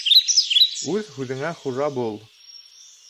Үҙ һүҙеңә хужа бул.